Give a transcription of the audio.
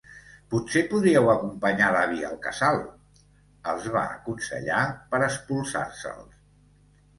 Potser podríeu acompanyar l'avi al Casal —els va aconsellar, per espolsar-se'ls—.